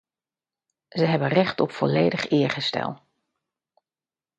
Zij hebben recht op volledig eerherstel.